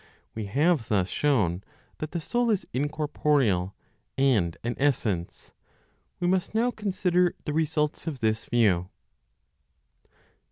We have thus shown that the soul is incorporeal, and an essence; we must now consider the results of this view.